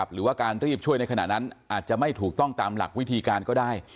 หรือว่าการรีบช่วยในขณะนั้นอาจจะไม่ถูกต้องตามหลักวิธีการก็ได้